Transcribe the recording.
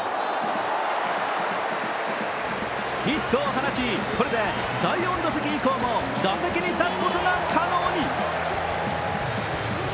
ヒットを放ちこれで第４打席以降も打席に立つことが可能に。